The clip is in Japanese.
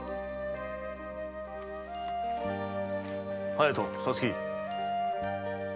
隼人皐月。